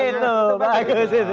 itu bagus itu